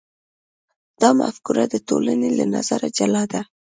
دا مفکوره د ټولنې له نظره جلا ده.